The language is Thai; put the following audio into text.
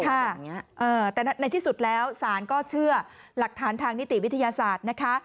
แต่ในที่สุดแล้วศาลก็เชื่อหลักฐานทางนิติวิทยาศาสตร์นะคะ